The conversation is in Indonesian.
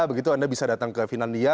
begitu anda bisa datang ke finlandia